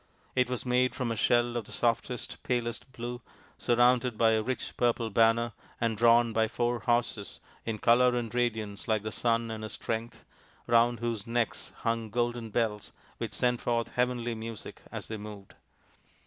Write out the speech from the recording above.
It was made from a shell of the softest, palest blue, surmounted by a rich purple banner, and drawn by four horses in colour and radiance like the sun in his strength, round whose necks hung golden bells which sent forth heavenly music as they moved.